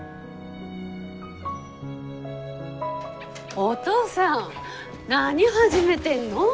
おとうさん何始めてんの？